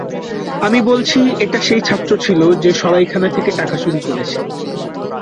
আমি বলছি এটা সেই ছাত্র ছিল, যে সরাইখানা থেকে টাকা চুরি করেছে।